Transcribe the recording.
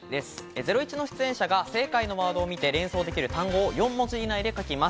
『ゼロイチ』の出演者が正解のワードを見て、連想できる単語を４文字以内で書きます。